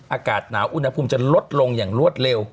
อากาศหนาวอุณหภูมิจะลดลงอย่างรวดเร็ว